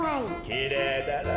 きれいだろ？